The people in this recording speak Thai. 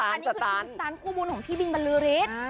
อันนี้คือทีมสตันต์กู้บุญของพี่บินบรรลือริส